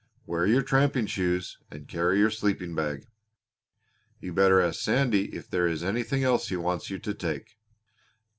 Wear your tramping shoes and carry your sleeping bag. You better ask Sandy if there is anything else he wants you to take."